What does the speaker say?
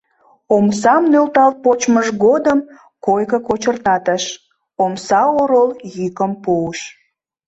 Омсам нӧлтал почмыж годым койко кочыртатыш, омса орол йӱкым пуыш: